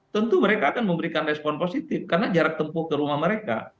tentu mereka akan memberikan respon positif karena jarak tempuh ke rumah mereka